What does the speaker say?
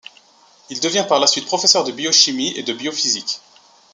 Il devient par la suite professeur de biochimie et de biophysique.